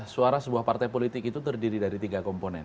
suara sebuah partai politik itu terdiri dari tiga komponen